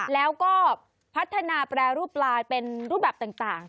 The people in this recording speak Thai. แล้วก็พัฒนาแปรรูปลายเป็นรูปแบบต่าง